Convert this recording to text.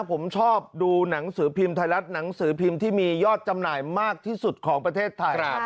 ผมชอบดูหนังสือพิมพ์ไทยรัฐหนังสือพิมพ์ที่มียอดจำหน่ายมากที่สุดของประเทศไทย